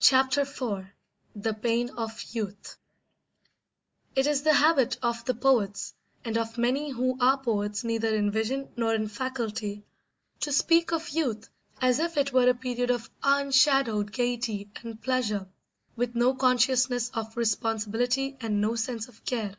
Chapter IV The Pain of Youth It is the habit of the poets, and of many who are poets neither in vision nor in faculty, to speak of youth as if it were a period of unshadowed gaiety and pleasure, with no consciousness of responsibility and no sense of care.